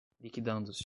liquidando-se